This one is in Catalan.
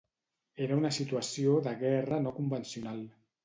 Era una situació de guerra no convencional.